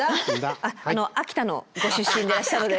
秋田のご出身でいらっしゃるので。